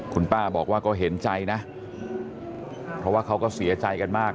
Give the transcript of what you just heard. คุณป้าบอกว่าก็เห็นใจนะเพราะว่าเขาก็เสียใจกันมาก